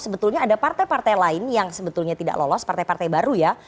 sebetulnya ada partai partai lain yang sebetulnya tidak lolos partai partai baru ya